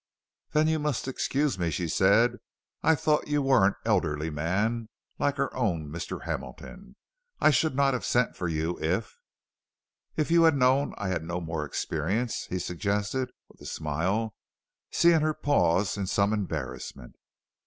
"Then you must excuse me," said she; "I thought you were an elderly man, like our own Mr. Hamilton. I should not have sent for you if " "If you had known I had no more experience," he suggested, with a smile, seeing her pause in some embarrassment.